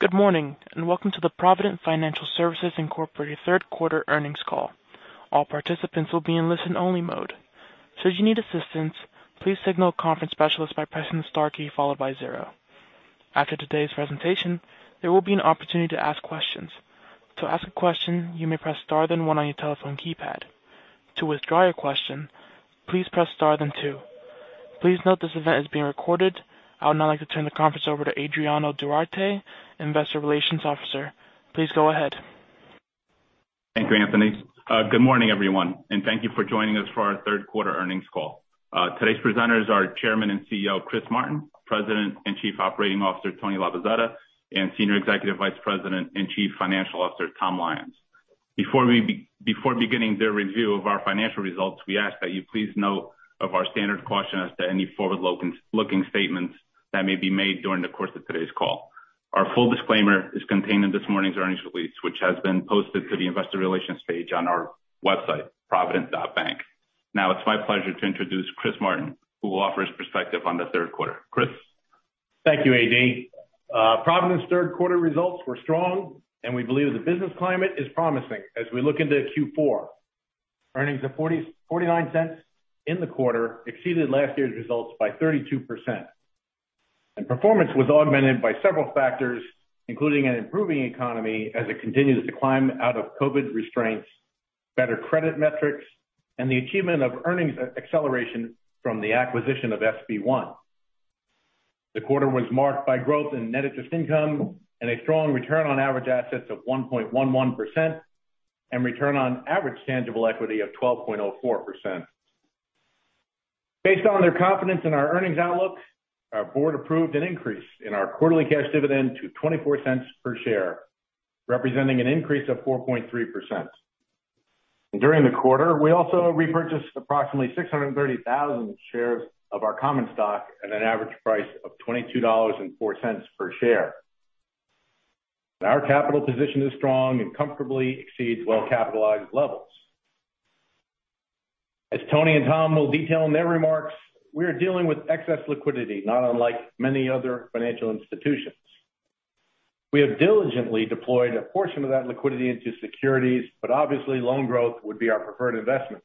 Good morning, and welcome to the Provident Financial Services, Inc. third quarter earnings call. All participants will be in listen-only mode. Should you need assistance, please signal a conference specialist by pressing the star key followed by zero. After today's presentation, there will be an opportunity to ask questions. To ask a question, you may press star then one on your telephone keypad. To withdraw your question, please press star then two. Please note this event is being recorded. I would now like to turn the conference over to Adriano Duarte, Investor Relations Officer. Please go ahead. Thank you, Anthony. Good morning, everyone, and thank you for joining us for our third quarter earnings call. Today's presenters are Chairman and CEO, Chris Martin, President and Chief Operating Officer, Tony Labozzetta, and Senior Executive Vice President and Chief Financial Officer, Tom Lyons. Before beginning their review of our financial results, we ask that you please note of our standard caution as to any forward-looking statements that may be made during the course of today's call. Our full disclaimer is contained in this morning's earnings release, which has been posted to the investor relations page on our website, provident.bank. Now it's my pleasure to introduce Chris Martin, who will offer his perspective on the third quarter. Chris. Thank you, AD. Provident's third quarter results were strong and we believe the business climate is promising as we look into Q4. Earnings of $0.49 in the quarter exceeded last year's results by 32%. Performance was augmented by several factors, including an improving economy as it continues to climb out of COVID restraints, better credit metrics, and the achievement of earnings acceleration from the acquisition of SB One. The quarter was marked by growth in net interest income and a strong return on average assets of 1.11% and return on average tangible equity of 12.04%. Based on their confidence in our earnings outlook, our board approved an increase in our quarterly cash dividend to $0.24 per share, representing an increase of 4.3%. During the quarter, we also repurchased approximately 630,000 shares of our common stock at an average price of $22.04 per share. Our capital position is strong and comfortably exceeds well-capitalized levels. As Tony and Tom will detail in their remarks, we are dealing with excess liquidity, not unlike many other financial institutions. We have diligently deployed a portion of that liquidity into securities, but obviously loan growth would be our preferred investment.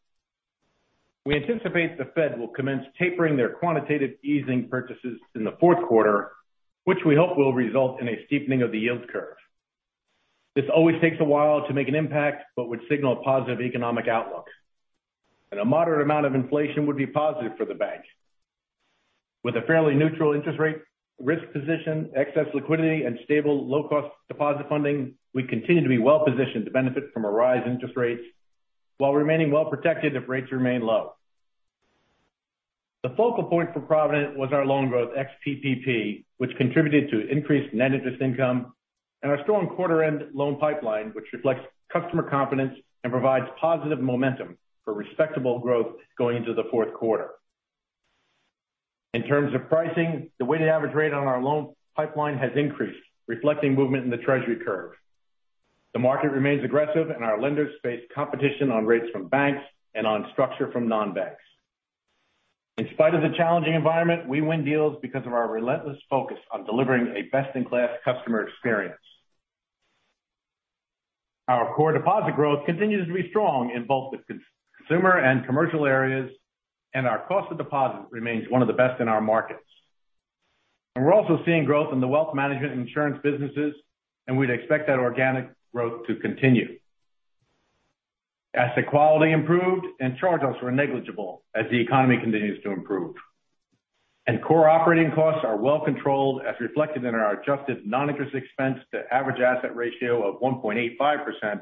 We anticipate the Fed will commence tapering their quantitative easing purchases in the fourth quarter, which we hope will result in a steepening of the yield curve. This always takes a while to make an impact, but would signal a positive economic outlook. A moderate amount of inflation would be positive for the bank. With a fairly neutral interest rate, risk position, excess liquidity, and stable low-cost deposit funding, we continue to be well-positioned to benefit from a rise in interest rates while remaining well-protected if rates remain low. The focal point for Provident was our loan growth ex-PPP, which contributed to increased net interest income and our strong quarter end loan pipeline, which reflects customer confidence and provides positive momentum for respectable growth going into the fourth quarter. In terms of pricing, the weighted average rate on our loan pipeline has increased, reflecting movement in the Treasury curve. The market remains aggressive and our lenders face competition on rates from banks and on structure from non-banks. In spite of the challenging environment, we win deals because of our relentless focus on delivering a best-in-class customer experience. Our core deposit growth continues to be strong in both the consumer and commercial areas, and our cost of deposit remains one of the best in our markets. We're also seeing growth in the wealth management insurance businesses, and we'd expect that organic growth to continue. Asset quality improved and charge-offs were negligible as the economy continues to improve. Core operating costs are well controlled as reflected in our adjusted non-interest expense to average asset ratio of 1.85%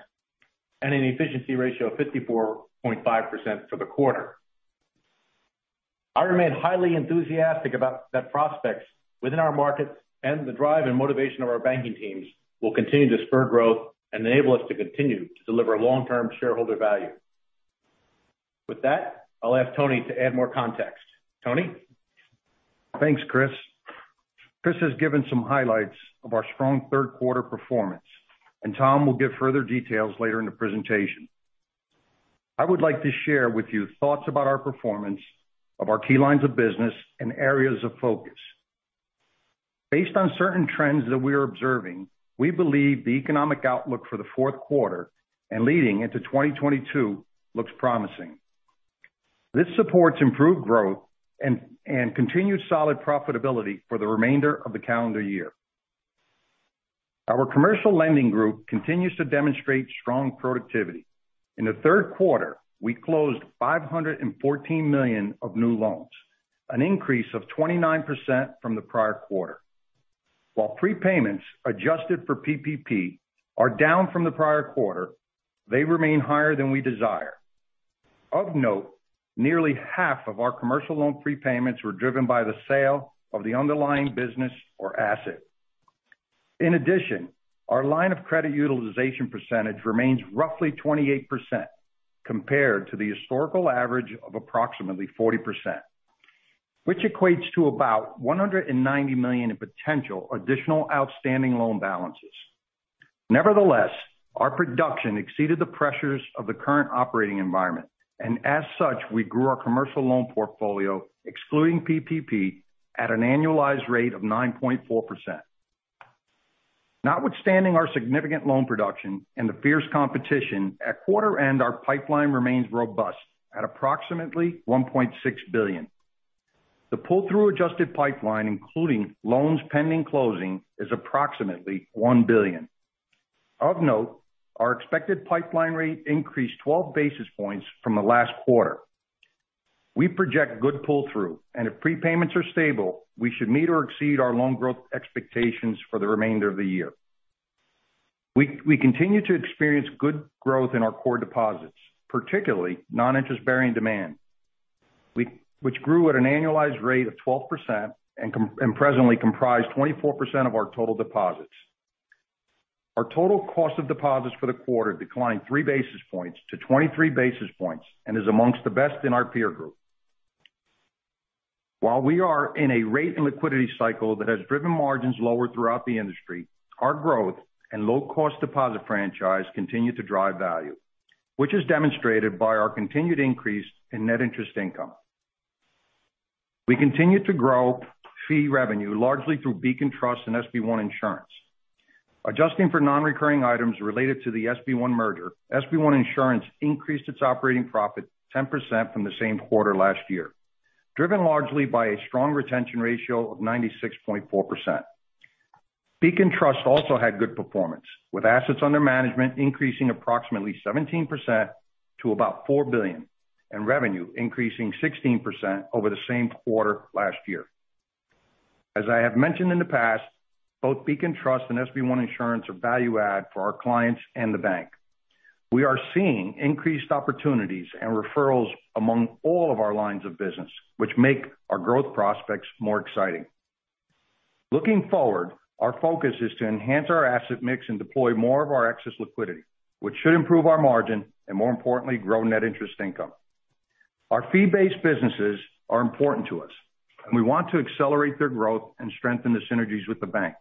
and an efficiency ratio of 54.5% for the quarter. I remain highly enthusiastic about the prospects within our markets and the drive and motivation of our banking teams will continue to spur growth and enable us to continue to deliver long-term shareholder value. With that, I'll ask Tony to add more context. Tony? Thanks, Chris. Chris has given some highlights of our strong third quarter performance, and Tom will give further details later in the presentation. I would like to share with you thoughts about our performance of our key lines of business and areas of focus. Based on certain trends that we are observing, we believe the economic outlook for the fourth quarter and leading into 2022 looks promising. This supports improved growth and continued solid profitability for the remainder of the calendar year. Our commercial lending group continues to demonstrate strong productivity. In the third quarter, we closed $514 million of new loans, an increase of 29% from the prior quarter. While prepayments adjusted for PPP are down from the prior quarter, they remain higher than we desire. Of note, nearly half of our commercial loan prepayments were driven by the sale of the underlying business or asset. In addition, our line of credit utilization percentage remains roughly 28% compared to the historical average of approximately 40%, which equates to about $190 million in potential additional outstanding loan balances. Nevertheless, our production exceeded the pressures of the current operating environment. As such, we grew our commercial loan portfolio, excluding PPP, at an annualized rate of 9.4%. Notwithstanding our significant loan production and the fierce competition at quarter end, our pipeline remains robust at approximately $1.6 billion. The pull-through adjusted pipeline, including loans pending closing, is approximately $1 billion. Of note, our expected pipeline rate increased 12 basis points from the last quarter. We project good pull-through, and if prepayments are stable, we should meet or exceed our loan growth expectations for the remainder of the year. We continue to experience good growth in our core deposits, particularly non-interest-bearing demand, which grew at an annualized rate of 12% and presently comprise 24% of our total deposits. Our total cost of deposits for the quarter declined three basis points to 23 basis points and is among the best in our peer group. While we are in a rate and liquidity cycle that has driven margins lower throughout the industry, our growth and low-cost deposit franchise continue to drive value, which is demonstrated by our continued increase in net interest income. We continue to grow fee revenue largely through Beacon Trust and SB One Insurance. Adjusting for non-recurring items related to the SB One merger, SB One Insurance increased its operating profit 10% from the same quarter last year, driven largely by a strong retention ratio of 96.4%. Beacon Trust also had good performance, with assets under management increasing approximately 17% to about $4 billion and revenue increasing 16% over the same quarter last year. As I have mentioned in the past, both Beacon Trust and SB One Insurance are value add for our clients and the bank. We are seeing increased opportunities and referrals among all of our lines of business, which make our growth prospects more exciting. Looking forward, our focus is to enhance our asset mix and deploy more of our excess liquidity, which should improve our margin and, more importantly, grow net interest income. Our fee-based businesses are important to us, and we want to accelerate their growth and strengthen the synergies with the bank.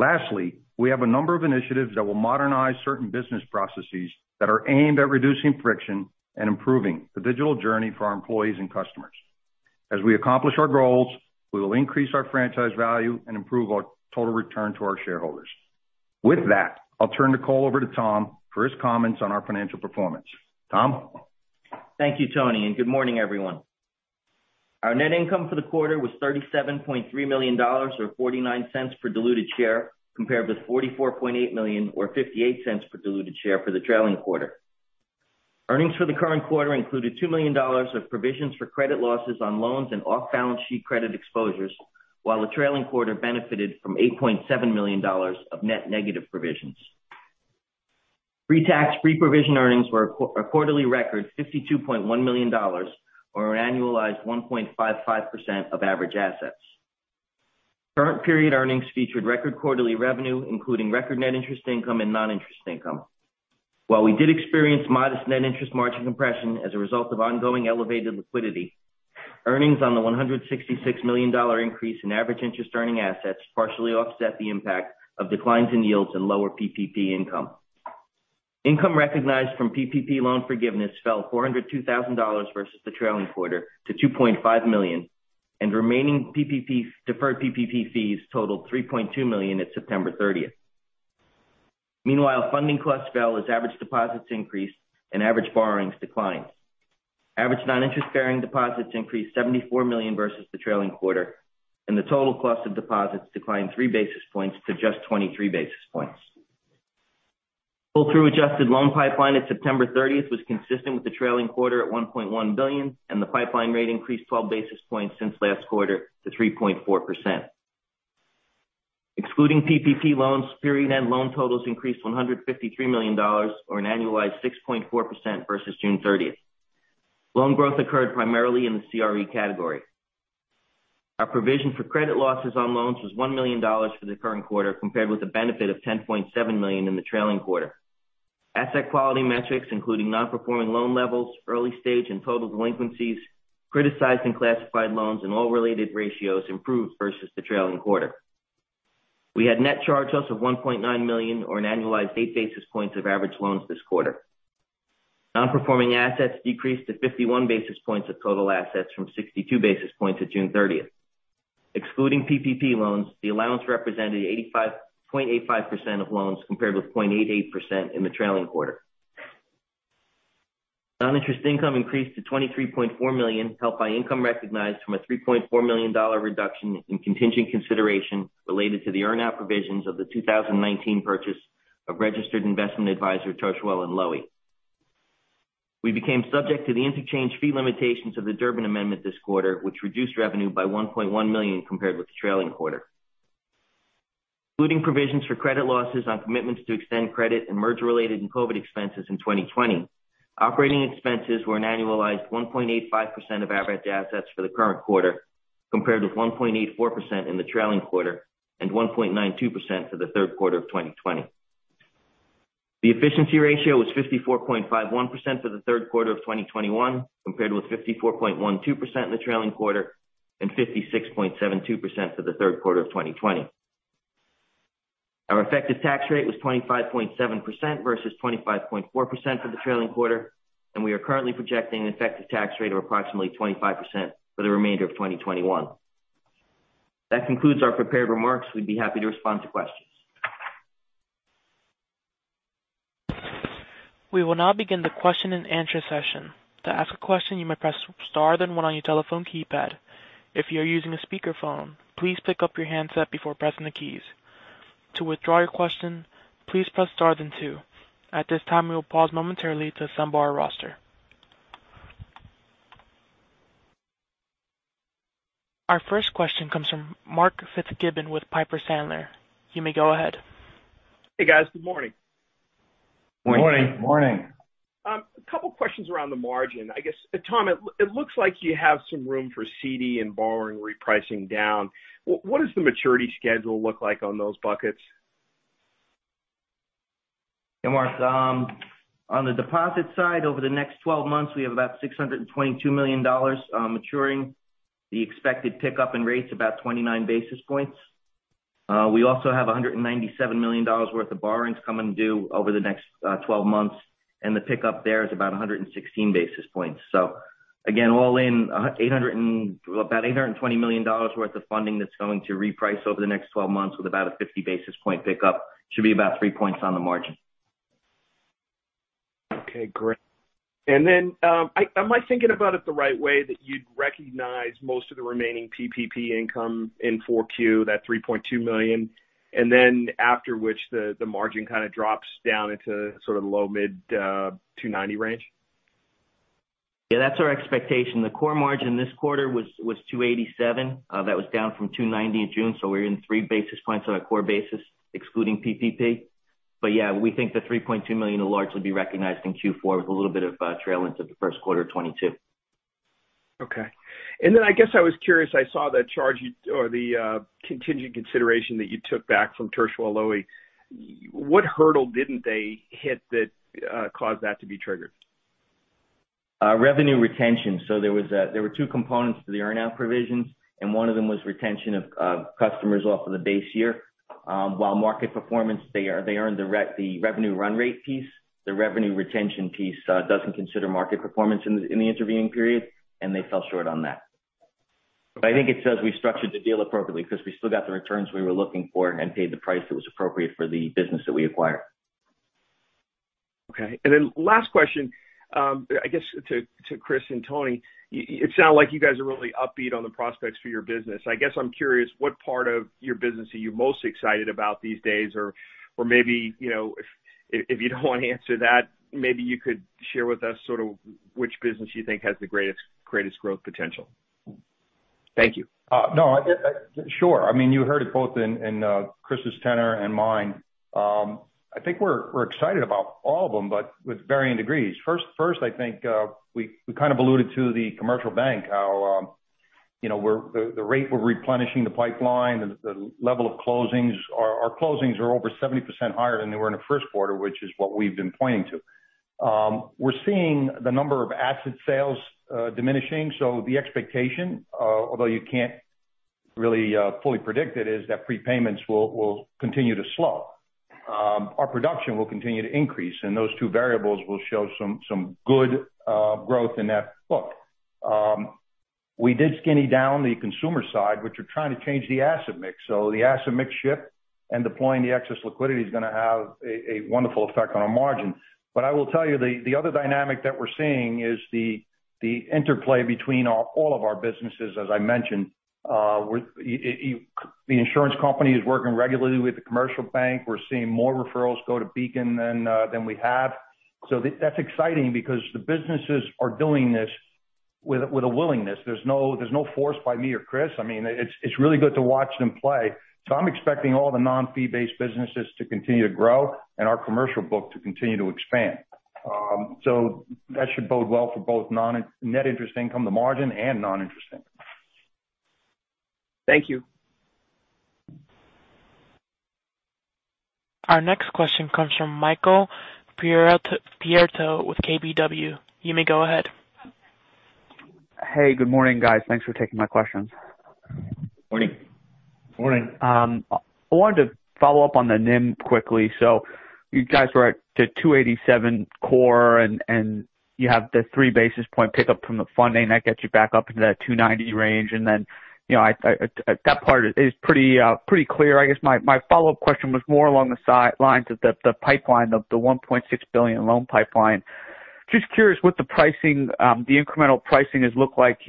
Lastly, we have a number of initiatives that will modernize certain business processes that are aimed at reducing friction and improving the digital journey for our employees and customers. As we accomplish our goals, we will increase our franchise value and improve our total return to our shareholders. With that, I'll turn the call over to Tom for his comments on our financial performance. Tom? Thank you, Tony, and good morning, everyone. Our net income for the quarter was $37.3 million or $0.49 per diluted share, compared with $44.8 million or $0.58 per diluted share for the trailing quarter. Earnings for the current quarter included $2 million of provisions for credit losses on loans and off-balance sheet credit exposures, while the trailing quarter benefited from $8.7 million of net negative provisions. Pre-tax, pre-provision earnings were a quarterly record $52.1 million or an annualized 1.55% of average assets. Current period earnings featured record quarterly revenue, including record net interest income and non-interest income. While we did experience modest net interest margin compression as a result of ongoing elevated liquidity, earnings on the $166 million increase in average interest earning assets partially offset the impact of declines in yields and lower PPP income. Income recognized from PPP loan forgiveness fell $402,000 versus the trailing quarter to $2.5 million, and remaining PPP deferred PPP fees totaled $3.2 million at September 30. Meanwhile, funding costs fell as average deposits increased and average borrowings declined. Average non-interest-bearing deposits increased $74 million versus the trailing quarter, and the total cost of deposits declined three basis points to just 23 basis points. Pull-through adjusted loan pipeline at September 30 was consistent with the trailing quarter at $1.1 billion, and the pipeline rate increased 12 basis points since last quarter to 3.4%. Excluding PPP loans, period-end loan totals increased $153 million or an annualized 6.4% versus June 30. Loan growth occurred primarily in the CRE category. Our provision for credit losses on loans was $1 million for the current quarter, compared with a benefit of $10.7 million in the trailing quarter. Asset quality metrics, including non-performing loan levels, early stage and total delinquencies, criticized and classified loans and loan-related ratios improved versus the trailing quarter. We had net charge-offs of $1.9 million or an annualized 8 basis points of average loans this quarter. Non-performing assets decreased to 51 basis points of total assets from 62 basis points at June 30. Excluding PPP loans, the allowance represented 85.85% of loans, compared with 0.88% in the trailing quarter. Non-interest income increased to $23.4 million, helped by income recognized from a $3.4 million reduction in contingent consideration related to the earn-out provisions of the 2019 purchase of registered investment advisor, Tirschwell & Loewy. We became subject to the interchange fee limitations of the Durbin Amendment this quarter, which reduced revenue by $1.1 million compared with the trailing quarter. Including provisions for credit losses on commitments to extend credit and merger-related and COVID expenses in 2020, operating expenses were an annualized 1.85% of average assets for the current quarter, compared with 1.84% in the trailing quarter and 1.92% for the third quarter of 2020. The efficiency ratio was 54.51% for the third quarter of 2021, compared with 54.12% in the trailing quarter and 56.72% for the third quarter of 2020. Our effective tax rate was 25.7% versus 25.4% for the trailing quarter. We are currently projecting an effective tax rate of approximately 25% for the remainder of 2021. That concludes our prepared remarks. We'd be happy to respond to questions. We will now begin the question and answer session. To ask a question, you may press star then one on your telephone keypad. If you're using a speakerphone, please pick up your handset before pressing the keys. To withdraw your question, please press star then two. At this time, we will pause momentarily to assemble our roster. Our first question comes from Mark Fitzgibbon with Piper Sandler. You may go ahead. Hey, guys. Good morning. Morning. Morning. A couple questions around the margin. I guess, Tom, it looks like you have some room for CD and borrowing repricing down. What does the maturity schedule look like on those buckets? Hey, Mark. On the deposit side, over the next 12 months, we have about $622 million maturing. The expected pickup in rates about 29 basis points. We also have $197 million worth of borrowings coming due over the next 12 months, and the pickup there is about 116 basis points. Again, all in, about $820 million worth of funding that's going to reprice over the next 12 months with about a 50 basis point pickup. Should be about three points on the margin. Okay, great. Am I thinking about it the right way that you'd recognize most of the remaining PPP income in 4Q, that $3.2 million, and then after which the margin kind of drops down into sort of low-mid 2.90% range? Yeah, that's our expectation. The core margin this quarter was 2.87%. That was down from 2.90% in June. We're down three basis points on a core basis, excluding PPP. We think the $3.2 million will largely be recognized in Q4 with a little bit of tail into the first quarter of 2022. Okay. I guess I was curious, I saw the charge or the contingent consideration that you took back from Tirschwell & Loewy. What hurdle didn't they hit that caused that to be triggered? Revenue retention. There were two components to the earn-out provisions, and one of them was retention of customers off of the base year. While market performance, they earned the revenue run rate piece. The revenue retention piece doesn't consider market performance in the intervening period, and they fell short on that. I think it says we structured the deal appropriately because we still got the returns we were looking for and paid the price that was appropriate for the business that we acquired. Okay. Last question, I guess to Chris and Tony. It sounds like you guys are really upbeat on the prospects for your business. I guess I'm curious, what part of your business are you most excited about these days? Or maybe, you know, if you don't want to answer that, maybe you could share with us sort of which business you think has the greatest growth potential. Thank you. No. Sure. I mean, you heard it both in Chris's tenor and mine. I think we're excited about all of them, but with varying degrees. First, I think we kind of alluded to the commercial bank, how the rate we're replenishing the pipeline, the level of closings. Our closings are over 70% higher than they were in the first quarter, which is what we've been pointing to. We're seeing the number of asset sales diminishing. So the expectation, although you can't really fully predict it, is that prepayments will continue to slow. Our production will continue to increase, and those two variables will show some good growth in that book. We did skinny down the consumer side, which we're trying to change the asset mix. The asset mix shift and deploying the excess liquidity is gonna have a wonderful effect on our margin. I will tell you, the other dynamic that we're seeing is the interplay between all of our businesses as I mentioned. With the insurance company is working regularly with the commercial bank. We're seeing more referrals go to Beacon than we have. That's exciting because the businesses are doing this with a willingness. There's no force by me or Chris. I mean, it's really good to watch them play. I'm expecting all the non-fee based businesses to continue to grow and our commercial book to continue to expand. That should bode well for both net interest income, the margin and noninterest income. Thank you. Our next question comes from Michael Perito with KBW. You may go ahead. Hey, good morning, guys. Thanks for taking my questions. Morning. Morning. I wanted to follow up on the NIM quickly. You guys were at the 287 core and you have the thee basis point pickup from the funding that gets you back up into that 2.90% range. You know, that part is pretty clear. I guess my follow-up question was more along the lines of the pipeline of the $1.6 billion loan pipeline. Just curious what the pricing, the incremental pricing has looked like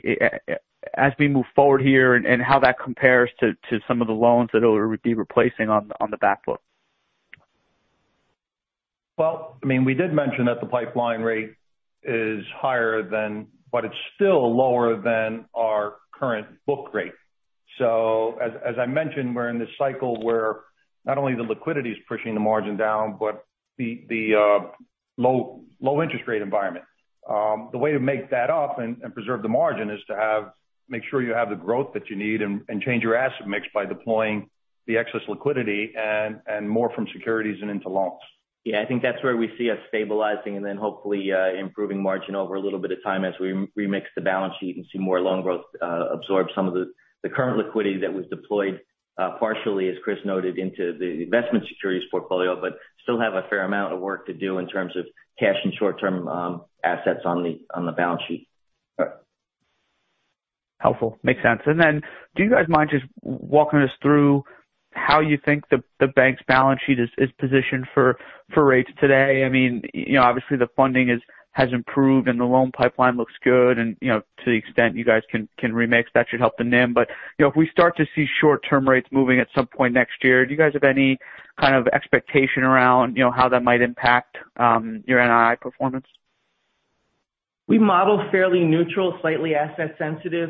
as we move forward here and how that compares to some of the loans that it will be replacing on the back book? Well, I mean, we did mention that the pipeline rate is higher, but it's still lower than our current book rate. As I mentioned, we're in this cycle where not only the liquidity is pushing the margin down, but the low interest rate environment. The way to make that up and preserve the margin is to make sure you have the growth that you need and change your asset mix by deploying the excess liquidity and more from securities and into loans. Yeah. I think that's where we see us stabilizing and then hopefully improving margin over a little bit of time as we remix the balance sheet and see more loan growth absorb some of the current liquidity that was deployed partially, as Chris noted, into the investment securities portfolio. Still have a fair amount of work to do in terms of cash and short-term assets on the balance sheet. Right. Helpful. Makes sense. Do you guys mind just walking us through how you think the bank's balance sheet is positioned for rates today? I mean, you know, obviously the funding has improved and the loan pipeline looks good and, you know, to the extent you guys can remix, that should help the NIM. You know, if we start to see short-term rates moving at some point next year, do you guys have any kind of expectation around, you know, how that might impact your NII performance? We model fairly neutral, slightly asset sensitive.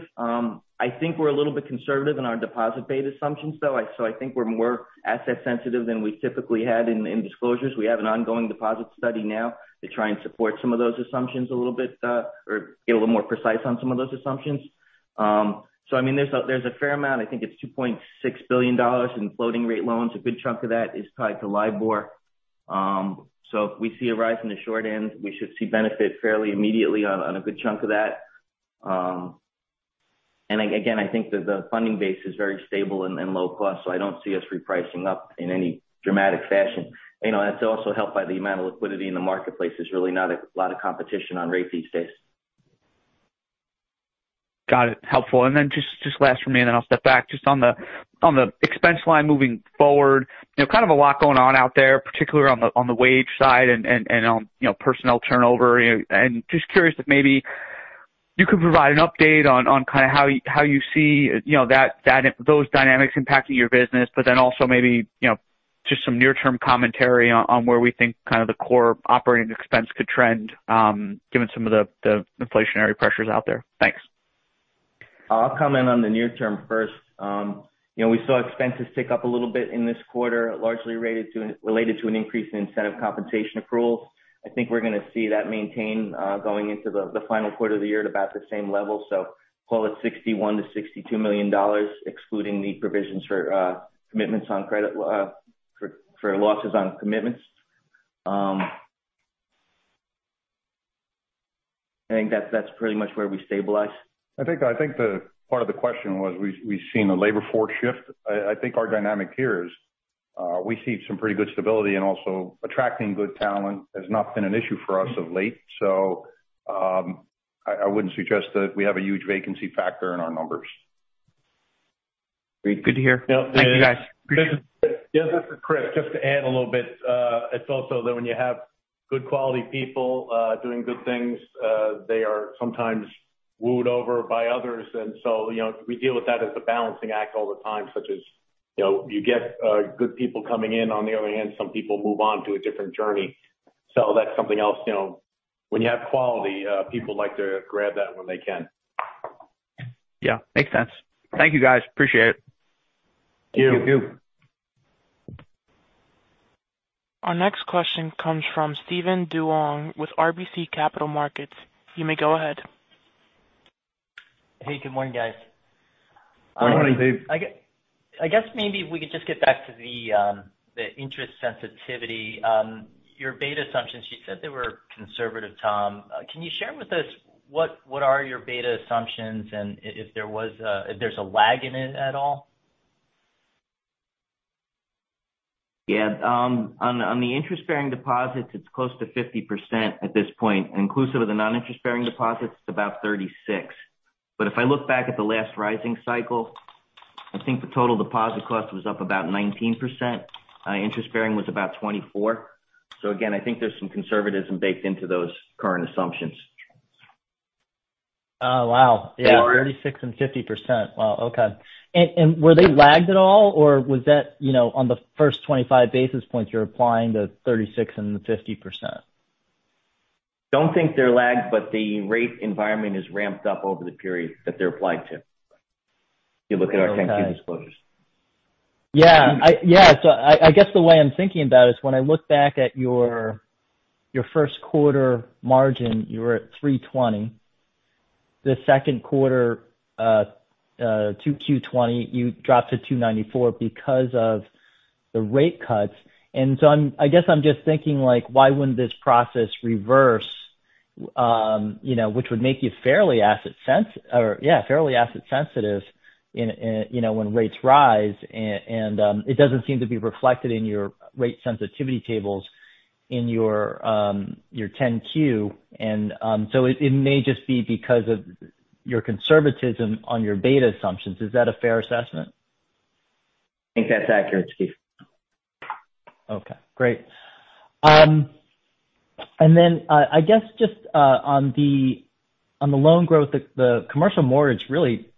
I think we're a little bit conservative in our deposit beta assumptions though. So I think we're more asset sensitive than we typically had in disclosures. We have an ongoing deposit study now to try and support some of those assumptions a little bit, or get a little more precise on some of those assumptions. So I mean, there's a fair amount, I think it's $2.6 billion in floating rate loans. A good chunk of that is tied to LIBOR. So if we see a rise in the short end, we should see benefit fairly immediately on a good chunk of that. And again, I think that the funding base is very stable and low cost, so I don't see us repricing up in any dramatic fashion. You know, that's also helped by the amount of liquidity in the marketplace. There's really not a lot of competition on rates these days. Got it. Helpful. Then just last from me and then I'll step back. Just on the expense line moving forward, you know, kind of a lot going on out there, particularly on the wage side and on, you know, personnel turnover. Just curious if maybe you could provide an update on kind of how you see? You know, that those dynamics impacting your business, but then also maybe, you know, just some near-term commentary on where we think kind of the core operating expense could trend, given some of the inflationary pressures out there? Thanks. I'll comment on the near term first. You know, we saw expenses tick up a little bit in this quarter, largely related to an increase in incentive compensation accrual. I think we're gonna see that maintain going into the final quarter of the year at about the same level. Call it $61 million-$62 million, excluding the provisions for commitments on credit for losses on commitments. I think that's pretty much where we stabilize. I think the part of the question was we've seen the labor force shift. I think our dynamic here is, we see some pretty good stability and also attracting good talent has not been an issue for us of late. I wouldn't suggest that we have a huge vacancy factor in our numbers. Great. Good to hear. Thank you, guys. Appreciate it. Just to add a little bit, it's also that when you have good quality people doing good things, they are, Sometimes. Role over by others, and so, you know, we deal with that as a balancing act all the time such as you know, you get good people coming in on the other end, some people move on to a different journey. So that's something else, you know, when you have quality people like to grab that when they can. Our next question comes from Steven Duong with RBC Capital Markets. You may go ahead. Hey, good morning, guys. Good morning, Steve. I guess maybe we could just get back to the interest sensitivity. Your beta assumptions, you said they were conservative, Tom. Can you share with us what your beta assumptions are and if there's a lag in it at all? Yeah. On the interest-bearing deposits, it's close to 50% at this point. Inclusive of the non-interest bearing deposits, it's about 36%. If I look back at the last rising cycle, I think the total deposit cost was up about 19%. Interest bearing was about 24%. Again, I think there's some conservatism baked into those current assumptions. Oh, wow. Yeah. Yeah. 36% and 50%. Wow. Okay. Were they lagged at all, or was that, you know, on the first 25 basis points you're applying the 36% and the 50%? Don't think they're lagged, but the rate environment is ramped up over the period that they're applied to. If you look at our 10-Q disclosures. Yeah. I guess the way I'm thinking about it is when I look back at your first quarter margin, you were at 3.20%. The second quarter, 2Q 2020, you dropped to 2.94% because of the rate cuts. I guess I'm just thinking, like, why wouldn't this process reverse? You know, which would make you fairly asset sensitive, you know, when rates rise and it doesn't seem to be reflected in your rate sensitivity tables in your 10-Q. It may just be because of your conservatism on your beta assumptions. Is that a fair assessment? I think that's accurate, Steve. Okay, great. I guess just on the loan growth, the commercial mortgage really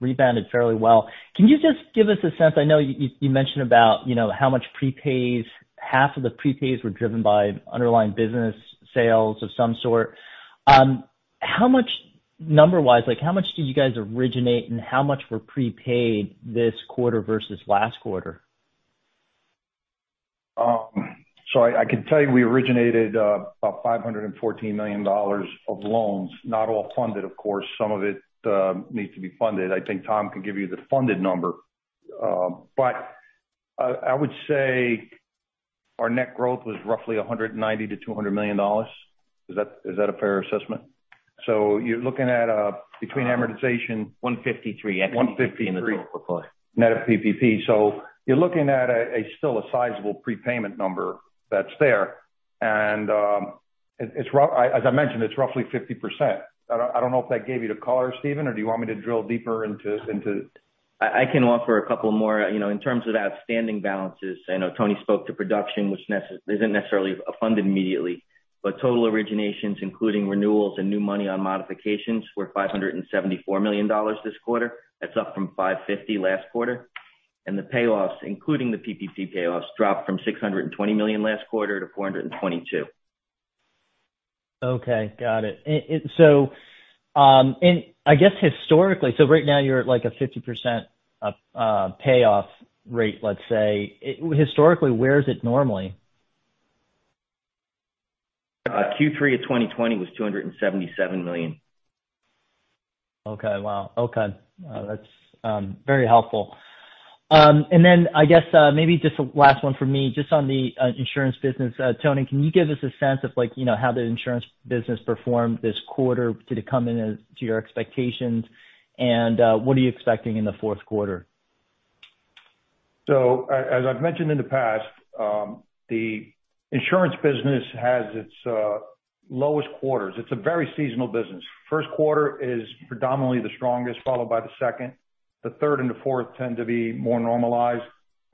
rebounded fairly well. Can you just give us a sense, I know you mentioned about, you know, how much prepays, half of the prepays were driven by underlying business sales of some sort? How much, number wise, like how much did you guys originate and how much were prepaid this quarter versus last quarter? I can tell you we originated about $514 million of loans. Not all funded, of course. Some of it needs to be funded. I think Tom can give you the funded number. But I would say our net growth was roughly $190 million-$200 million. Is that a fair assessment? You're looking at between amortization- $153. $153 net of PPP. You're looking at a still sizable prepayment number that's there. As I mentioned, it's roughly 50%. I don't know if that gave you the color, Steven, or do you want me to drill deeper into... I can offer a couple more. You know, in terms of outstanding balances, I know Tony spoke to production, which necessarily isn't funded immediately. Total originations, including renewals and new money on modifications, were $574 million this quarter. That's up from $550 million last quarter. The payoffs, including the PPP payoffs, dropped from $620 million last quarter to $422 million. Okay. Got it. I guess right now you're at like a 50% payoff rate, let's say. Historically, where is it normally? Q3 of 2020 was $277 million. Okay. Wow. Okay. That's very helpful. I guess maybe just a last one for me, just on the insurance business. Tony, can you give us a sense of like, you know, how the insurance business performed this quarter? Did it come in as expected? What are you expecting in the fourth quarter? As I've mentioned in the past, the insurance business has its lowest quarters. It's a very seasonal business. First quarter is predominantly the strongest, followed by the second. The third and the fourth tend to be more normalized.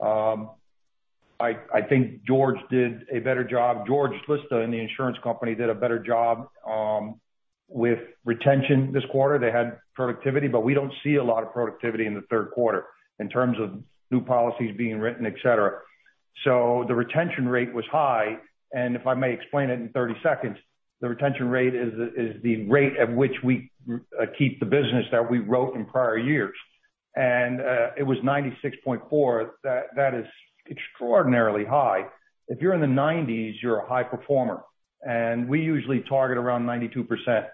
I think George Lista in the insurance company did a better job with retention this quarter. They had productivity, but we don't see a lot of productivity in the third quarter in terms of new policies being written, etc. The retention rate was high, and if I may explain it in 30 seconds, the retention rate is the rate at which we keep the business that we wrote in prior years. It was %96.4. That is extraordinarily high. If you're in the nineties, you're a high performer. We usually target around 92%.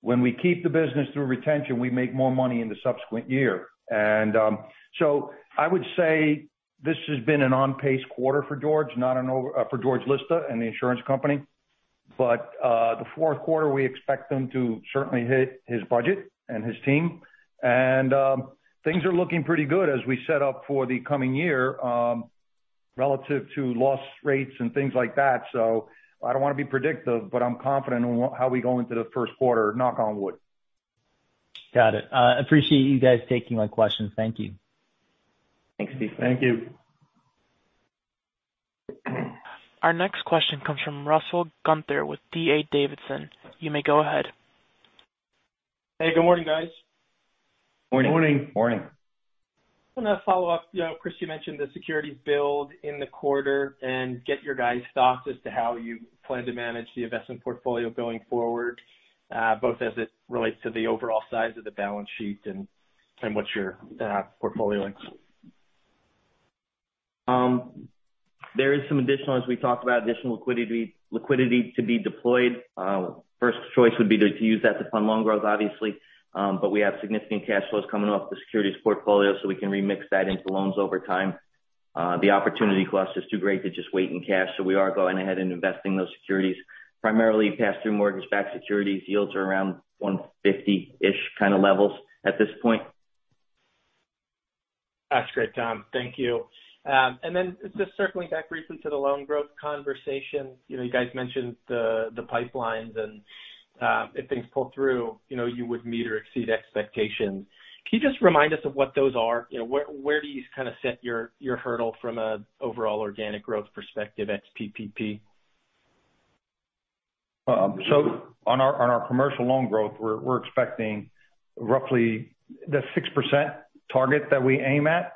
When we keep the business through retention, we make more money in the subsequent year. I would say this has been an on pace quarter for George Lista and the insurance company. The fourth quarter, we expect him to certainly hit his budget and his team. Things are looking pretty good as we set up for the coming year, relative to loss rates and things like that. I don't wanna be predictive, but I'm confident in how we go into the first quarter, knock on wood. Got it. Appreciate you guys taking my questions. Thank you. Thanks, Steven. Thank you. Our next question comes from Russell Gunther with D.A. Davidson. You may go ahead. Hey, good morning, guys. Morning. Morning. I wanna follow up. You know, Chris, you mentioned the securities build in the quarter and get your guys' thoughts as to how you plan to manage the investment portfolio going forward, both as it relates to the overall size of the balance sheet and what's your portfolio like? There is some additional liquidity, as we talked about, to be deployed. First choice would be to use that to fund loan growth, obviously. We have significant cash flows coming off the securities portfolio, so we can remix that into loans over time. The opportunity cost is too great to just wait in cash, so we are going ahead and investing those securities. Primarily pass-through mortgage-backed securities yields are around 150-ish kind of levels at this point. That's great, Tom. Thank you. Just circling back briefly to the loan growth conversation. You know, you guys mentioned the pipelines and, if things pull through, you know, you would meet or exceed expectations. Can you just remind us of what those are? You know, where do you kind of set your hurdle from a overall organic growth perspective at PPP? On our commercial loan growth, we're expecting roughly the 6% target that we aim at.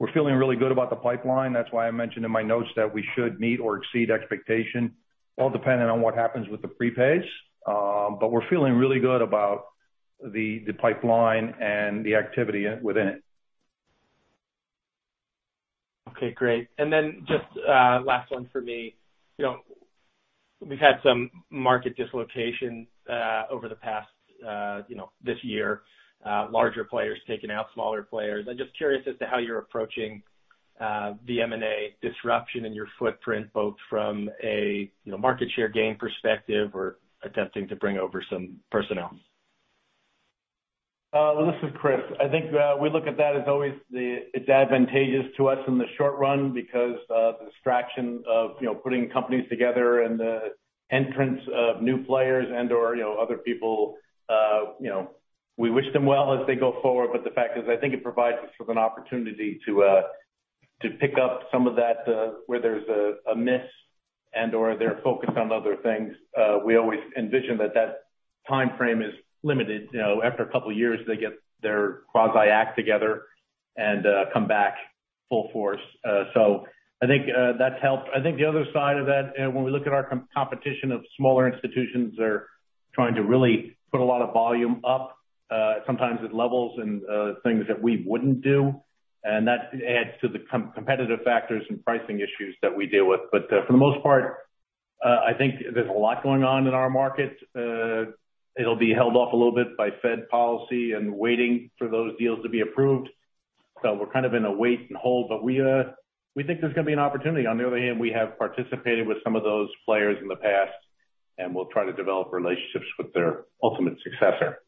We're feeling really good about the pipeline. That's why I mentioned in my notes that we should meet or exceed expectation, all depending on what happens with the prepays. We're feeling really good about the pipeline and the activity within it. Okay, great. Then just a last one for me. You know, we've had some market dislocation over the past, you know, this year, larger players taking out smaller players. I'm just curious as to how you're approaching the M&A disruption in your footprint, both from a, you know, market share gain perspective or attempting to bring over some personnel? This is Chris. I think we look at that as always it's advantageous to us in the short run because of the distraction of, you know, putting companies together and the entrance of new players and/or, you know, other people. You know, we wish them well as they go forward, but the fact is, I think it provides us with an opportunity to pick up some of that, where there's a miss and/or they're focused on other things. We always envision that timeframe is limited. You know, after a couple of years, they get their act together and come back full force. I think that's helped. I think the other side of that, when we look at our competition of smaller institutions are trying to really put a lot of volume up, sometimes at levels and, things that we wouldn't do, and that adds to the competitive factors and pricing issues that we deal with. For the most part, I think there's a lot going on in our market. It'll be held off a little bit by Fed policy and waiting for those deals to be approved. We're kind of in a wait and hold, but we think there's gonna be an opportunity. On the other hand, we have participated with some of those players in the past, and we'll try to develop relationships with their ultimate successor.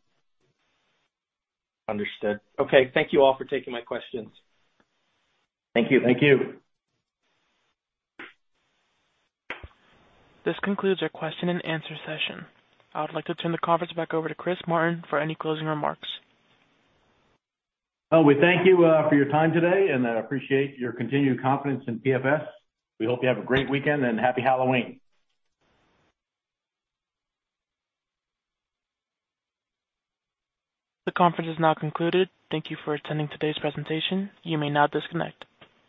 Understood. Okay. Thank you all for taking my questions. Thank you. Thank you. This concludes our question and answer session. I would like to turn the conference back over to Christopher Martin for any closing remarks. Well, we thank you for your time today, and I appreciate your continued confidence in PFS. We hope you have a great weekend and Happy Halloween. The conference is now concluded. Thank you for attending today's presentation. You may now disconnect.